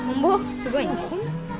すごいね。